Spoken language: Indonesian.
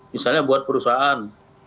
misalnya buat perusahaan